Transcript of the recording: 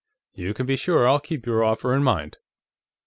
You can be sure I'll keep your offer in mind."